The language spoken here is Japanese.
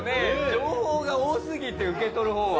情報が多すぎて受け取る方は。